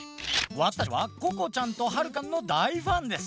「わたしたちはここちゃんとはるかちゃんのだいファンです。